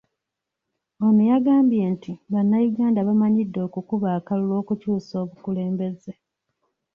Ono yagambye nti Bannayuganda bamanyidde okukuba akalulu okukyusa abakulembeze.